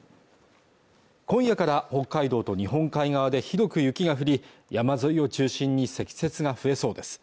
今夜から北海道と日本海側で広く雪が降り山沿いを中心に積雪が増えそうです